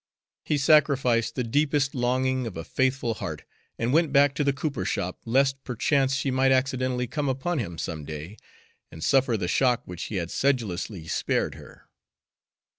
He sacrificed the deepest longing of a faithful heart, and went back to the cooper shop lest perchance she might accidentally come upon him some day and suffer the shock which he had sedulously spared her.